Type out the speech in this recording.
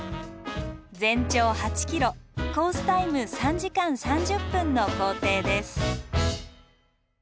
全長８ｋｍコースタイム３時間３０分の行程です。